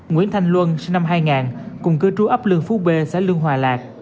nguyễn thanh luân cùng cư trú ấp lương phú b xã lương hòa lạc